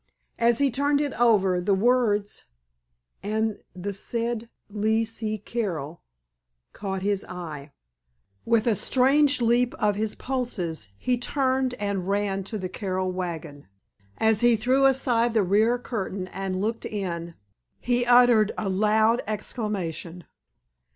As he turned it over the words: "and the said Lee C. Carroll——" caught his eye. With a strange leap of his pulses he turned and ran to the Carroll wagon. As he threw aside the rear curtain and looked in he uttered a loud exclamation.